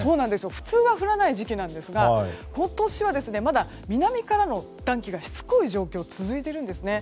普通は降らない時期なんですが今年は、まだ南からの暖気がしつこい状況が続いているんですね。